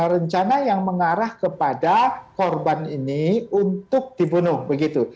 rencana yang mengarah kepada korban ini untuk dibunuh begitu